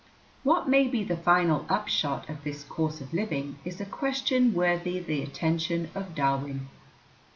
What may be the final upshot of this course of living is a question worthy the attention of Darwin.